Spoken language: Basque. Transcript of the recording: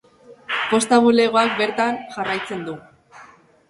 Posta bulegoak bertan jarraitzen du.